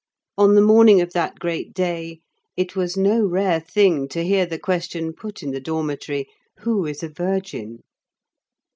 On the morning of that great day it was no rare thing to hear the question put in the dormitory, "Who is a virgin?"